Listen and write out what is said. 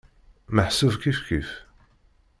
Meḥsub kifkif.